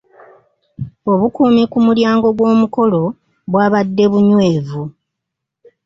Obukuumi ku mulyango g'womukolo bwabadde bunywevu.